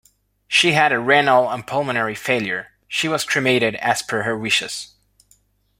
She had renal and pulmonary failure., She was cremated as per her wishes.